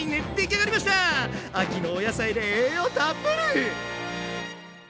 秋のお野菜で栄養たっぷり！